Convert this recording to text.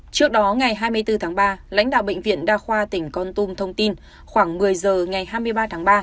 trước đó ngày hai mươi bốn tháng ba lãnh đạo bệnh viện đa khoa tỉnh con tum thông tin khoảng một mươi giờ ngày hai mươi ba tháng ba